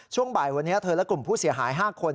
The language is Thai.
ช่วงบ่ายวันนี้เธอและกลุ่มผู้เสียหาย๕คน